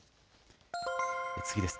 次です。